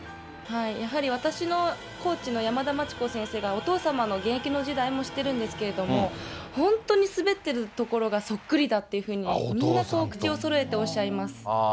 私のコーチの山田まちこ先生が、お父様の現役の時代も知ってるんですけれども、本当に滑っているところがそっくりだっていうふうに、みんなそう口をそろえておっしゃいます。